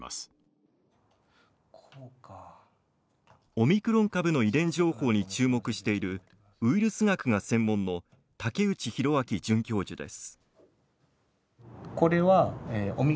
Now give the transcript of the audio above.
オミクロン株の遺伝情報に注目しているウイルス学が専門の武内寛明准教授です。